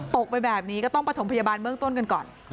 ไปแบบนี้ก็ต้องประถมพยาบาลเบื้องต้นกันก่อน